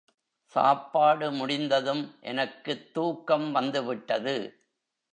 சாப்பாடு முடிந்ததும் எனக்குத் தூக்கம் வந்துவிட்டது.